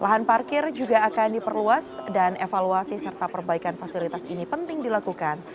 lahan parkir juga akan diperluas dan evaluasi serta perbaikan fasilitas ini penting dilakukan